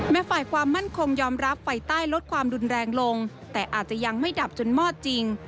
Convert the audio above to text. ฝ่ายความมั่นคงยอมรับไฟใต้ลดความรุนแรงลงแต่อาจจะยังไม่ดับจนมอดจริง